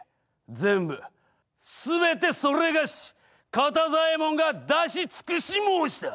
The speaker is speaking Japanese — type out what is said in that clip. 全部すべてそれがし肩座右衛門が出し尽くし申した！